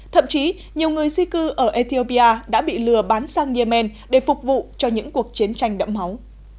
thậm chí nhiều người di cư ở ethiopia đã bị lừa bán sang yemen để phục vụ cho những cuộc chiến tranh đẫm máu